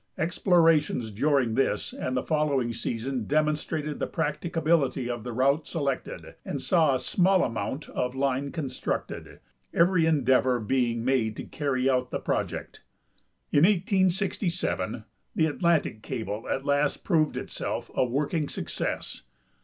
Ex plorations during this and the following season demonstrated the practicability of the route selected, and saw a small amount of line constructed, every endeavor being made to carry out the project. In 1867 the Atlantic cable at last proved itself a working suc cess.